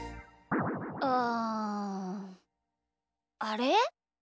うん。あれ？